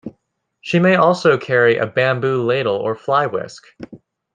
She may also carry a bamboo ladle or fly-whisk.